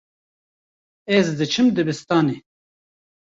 Ez diçim dibistanê.